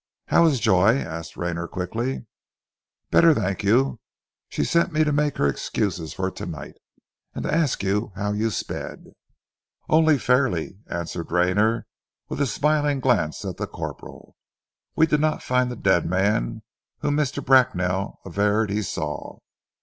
"How is Joy?" asked Rayner quickly. "Better, thank you. She sent me to make her excuses for tonight; and to ask how you had sped." "Only fairly," answered Rayner, with a smiling glance at the corporal. "We did not find the dead man whom Mr. Bracknell averred he saw."